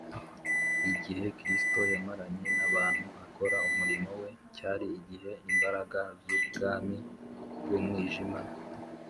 igihe kristo yamaranye n’abantu akora umurimo we cyari igihe imbaraga z’ubwami bw’umwijima